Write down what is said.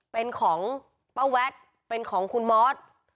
เป็นของป้าแวดเป็นของคุณมอส